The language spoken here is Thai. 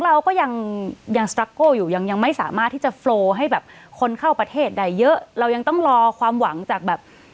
ให้แบบคนเข้าประเทศได้เยอะเรายังต้องรอความหวังจากแบบ